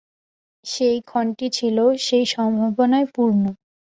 সেই ক্ষণটি ছিল সেই সম্ভাবনায় পূর্ণ।